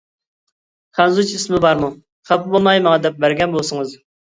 خەنزۇچە ئىسمى بارمۇ؟ خاپا بولماي ماڭا دەپ بەرگەن بولسىڭىز.